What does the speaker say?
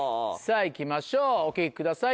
いきましょうお聞きください。